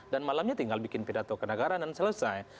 dan malamnya tinggal bikin pidato ke negara dan selesai